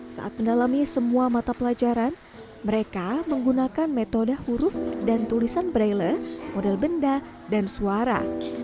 saat mendalami semua mata pelajaran mereka menggunakan metode huruf dan tulisan braille model benda dan suara